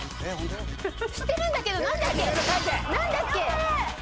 知ってるんだけど何だっけ？